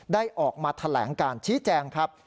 ได้ออกมาแถลงการชี้แจงครับ